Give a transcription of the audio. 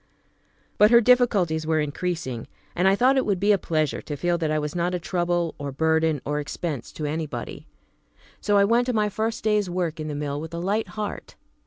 But her difficulties were increasing, and I thought it would be a pleasure to feel that I was not a trouble or burden or expense to anybody. So I went to my first day's work in the mill with a light heart.